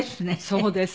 そうです。